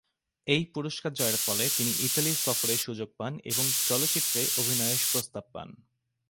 এই পুরস্কার জয়ের ফলে তিনি ইতালি সফরের সুযোগ পান এবং চলচ্চিত্রে অভিনয়ের প্রস্তাব পান।